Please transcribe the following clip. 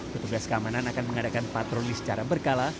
petugas keamanan akan mengadakan patroli secara berkala